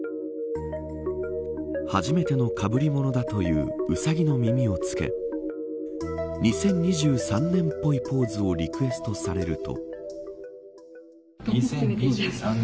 初めてのかぶりものだというウサギの耳を着け２０２３年っぽいポーズをリクエストされると。